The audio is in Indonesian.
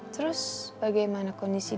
terus bagaimana kondisi dinda